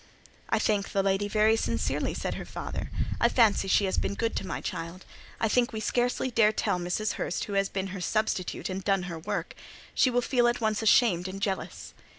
"I thank the lady very sincerely," said her father: "I fancy she has been very good to my child. I think we scarcely dare tell Mrs. Hurst who has been her substitute and done her work; she will feel at once ashamed and jealous."